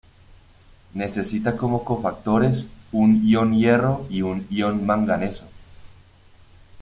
Necesita como cofactores un ion hierro y un ion manganeso.